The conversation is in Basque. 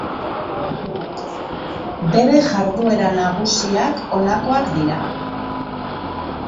Bere jarduera nagusiak honakoak dira.